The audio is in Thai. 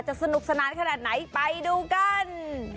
สนุกสนานขนาดไหนไปดูกัน